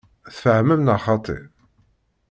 Tfehmem neɣ xaṭi?